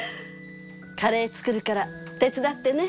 カレー作るから手伝ってね。